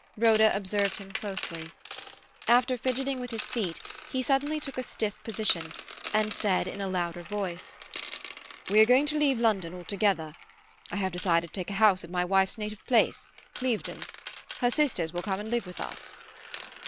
Rhoda observed him closely. After fidgeting with his feet, he suddenly took a stiff position, and said in a louder voice— "We are going to leave London altogether. I have decided to take a house at my wife's native place, Clevedon. Her sisters will come and live with us."